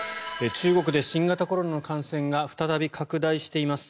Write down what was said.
中国で新型コロナの感染が再び拡大しています。